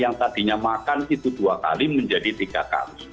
yang tadinya makan itu dua kali menjadi tiga kali